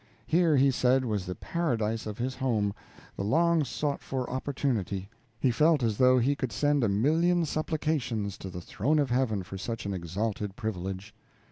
Here, he said, was the paradise of his home, the long sought for opportunity; he felt as though he could send a million supplications to the throne of Heaven for such an exalted privilege.